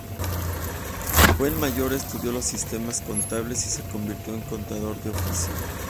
Fuenmayor estudió los sistemas contables, y se convirtió en contador de oficio.